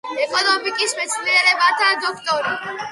ეკონომიკის მეცნიერებათა დოქტორი.